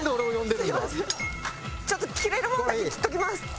ちょっと切れるもんだけ切っておきます。